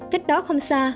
cách đó không xa